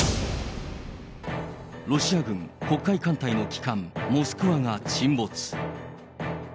ロシア軍、黒海艦隊の旗艦、モスクワが沈没。